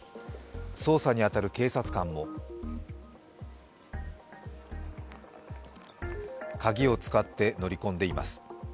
捜査に当たる警察官も鍵を使って乗り込んでいます。